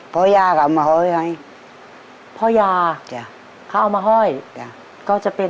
พระยากเอามาห้อยให้